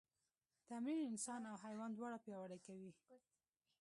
تمرین انسان او حیوان دواړه پیاوړي کوي.